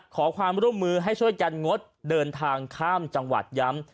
ขอความร่วมมือให้ช่วยกันงดเดินทางข้ามจังหวัดย้ำ